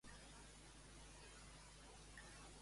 Voldria ensenyar on estic fins a les vuit de la tarda.